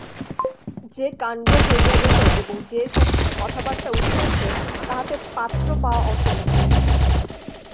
যে কাণ্ড হইয়া গেল এবং যে-সমস্ত কথাবার্তা উঠিয়াছে তাহাতে পাত্র পাওয়া অসম্ভব।